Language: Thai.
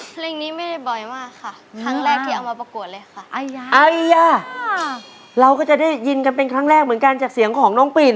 เพลงนี้ไม่ได้บ่อยมากค่ะครั้งแรกที่เอามาประกวดเลยค่ะไอยาไอยาเราก็จะได้ยินกันเป็นครั้งแรกเหมือนกันจากเสียงของน้องปีน